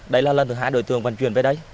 đây là lần thứ hai đối tượng vận chuyển về đây